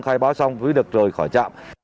khai báo xong thì được rồi khỏi trạm